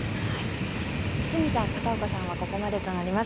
堤さん、片岡さんはここまでとなります。